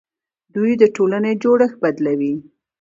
دوی د ټولنې جوړښت بدلوي.